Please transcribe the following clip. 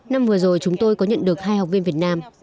năm vừa rồi chúng tôi có nhận được hai học viên việt nam